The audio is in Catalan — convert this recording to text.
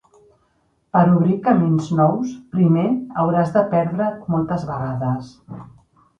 Per obrir camins nous primer hauràs de perdre't moltes vegades.